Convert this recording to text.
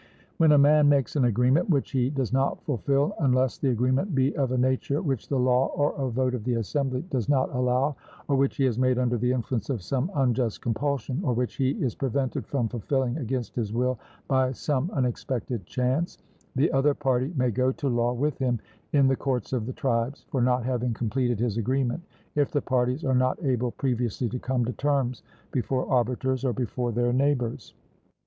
When a man makes an agreement which he does not fulfil, unless the agreement be of a nature which the law or a vote of the assembly does not allow, or which he has made under the influence of some unjust compulsion, or which he is prevented from fulfilling against his will by some unexpected chance, the other party may go to law with him in the courts of the tribes, for not having completed his agreement, if the parties are not able previously to come to terms before arbiters or before their neighbours.